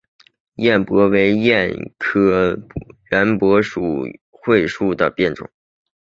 偃柏为柏科圆柏属桧树的变种。